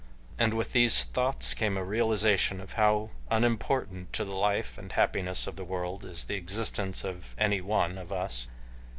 And with these thoughts came a realization of how unimportant to the life and happiness of the world is the existence of any one of us.